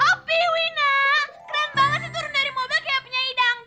opi wina keren banget sih turun dari mobil kayak punya idangdut